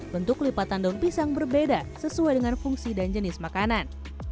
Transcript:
bentuk lipatan daun pisang berbeda sesuai dengan fungsi dan jenis makanan